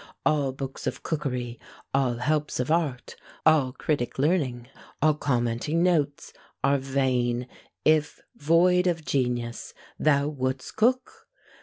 All books of cookery, all helps of art, All critic learning, all commenting notes, Are vain, if, void of genius, thou wouldst cook!"